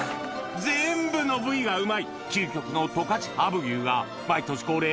全部の部位がうまい究極の十勝ハーブ牛が毎年恒例